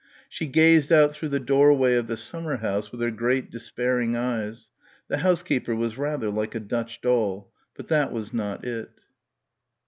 She gazed out through the doorway of the summer house with her great despairing eyes ... the housekeeper was rather like a Dutch doll ... but that was not it.